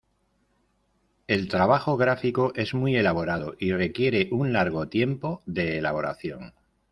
El trabajo gráfico es muy elaborado y requiere un largo tiempo de elaboración.